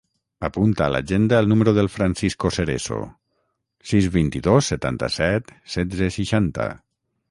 Apunta a l'agenda el número del Francisco Cerezo: sis, vint-i-dos, setanta-set, setze, seixanta.